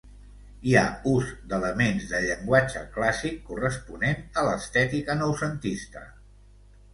Hi ha ús d'elements de llenguatge clàssic corresponent a l'estètica noucentista.